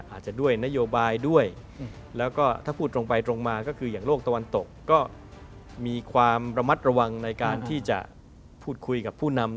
อาจจะด้วยนโยบายด้วยแล้วก็ถ้าพูดตรงไปตรงมาก็คืออย่างโลกตะวันตกก็มีความระมัดระวังในการที่จะพูดคุยกับผู้นำ